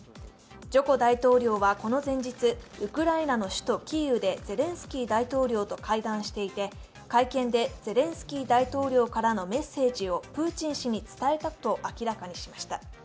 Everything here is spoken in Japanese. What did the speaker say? ジョコ大統領はこの前日、ウクライナの首都キーウでゼレンスキー大統領と会談していて会見でゼレンスキー大統領からのメッセージをプーチン氏に伝えたと明らかにしました。